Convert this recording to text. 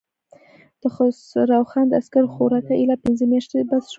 د خسرو خان د عسکرو خوراکه اېله پنځه مياشتې بس شوه.